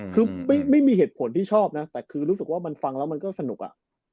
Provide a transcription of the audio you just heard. คือไม่มีเหตุผลที่ชอบนะแต่คือรู้สึกว่ามันฟังแล้วมันก็สนุกอ่ะ